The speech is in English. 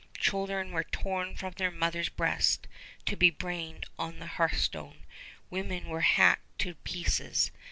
Children were torn from their mother's breast to be brained on the hearthstone. Women were hacked to pieces.